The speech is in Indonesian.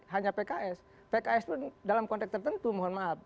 hanya pks pks pun dalam konteks tertentu mohon maaf